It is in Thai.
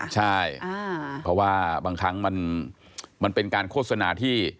ใช่เพราะว่าบางครั้งมันเป็นการโฆษณาที่